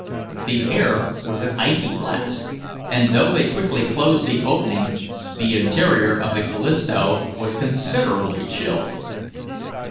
The air was an icy blast, and though they quickly closed the opening, the interior of the Callisto was considerably chilled.